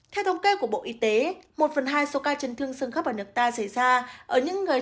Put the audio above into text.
theo thống kê của bộ y tế một phần hai số ca chấn thương sân khắp ở nước ta xảy ra ở những người